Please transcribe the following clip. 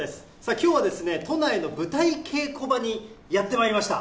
きょうはですね、都内の舞台稽古場にやってまいりました。